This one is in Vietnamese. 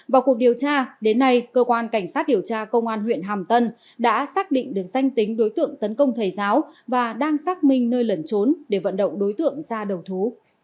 vào cuộc điều tra đến nay cơ quan cảnh sát điều tra công an huyện hàm tân đã xác định được danh tính đối tượng tấn công thầy giáo và đang xác minh nơi lẩn trốn để vận động đối tượng ra đầu thú